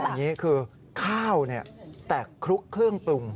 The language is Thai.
อย่างนี้คือข้าวแตกคลุกเครื่องปรุง